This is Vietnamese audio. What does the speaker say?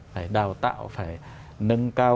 phải đào tạo phải nâng cao